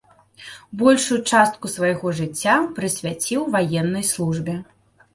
Большую частку свайго жыцця прысвяціў ваеннай службе.